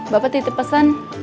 bapak titip pesan